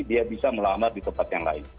dia bisa melamar di tempat yang lain